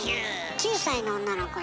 ９歳の女の子よ。